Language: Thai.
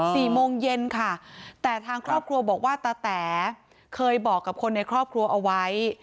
โมงเย็นค่ะแต่ทางครอบครัวบอกว่าตาแต๋เคยบอกกับคนในครอบครัวเอาไว้